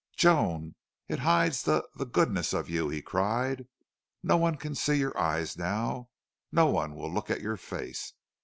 "Joan, it hides the the GOODNESS of you," he cried. "No one can see your eyes now. No one will look at your face.